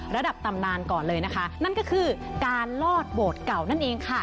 ระดับตำนานก่อนเลยนะคะนั่นก็คือการลอดโบสถ์เก่านั่นเองค่ะ